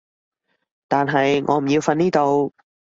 但係我唔要瞓呢度